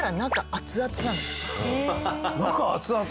中熱々？